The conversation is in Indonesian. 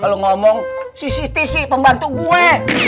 kalo ngomong si siti sih pembantu gue